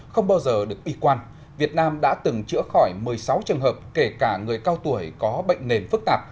không bao giờ được y quan việt nam đã từng chữa khỏi một mươi sáu trường hợp kể cả người cao tuổi có bệnh nền phức tạp